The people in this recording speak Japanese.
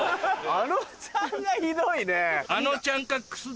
あのちゃんがひどいね。